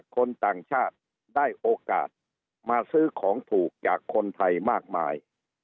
คนต่างชาติได้โอกาสมาซื้อของถูกจากคนไทยมากมาย